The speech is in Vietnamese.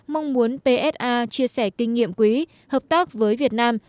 mong muốn psa chia sẻ kinh nghiệm quý hợp tác với việt nam